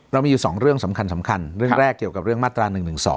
เรามีอยู่๒เรื่องสำคัญเรื่องแรกเกี่ยวกับเรื่องมาตรา๑๑๒